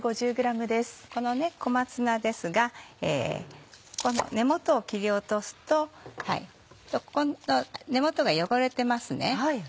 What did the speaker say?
この小松菜ですが根元を切り落とすとここの根元が汚れてます。